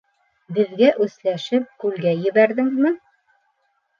Беҙгә үсләшеп, күлгә ебәрҙеңме?